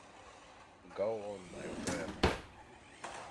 Go on, my friend.